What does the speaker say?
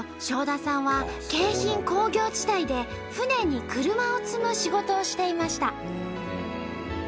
正田さんは京浜工業地帯で船に車を積む仕事をしていました。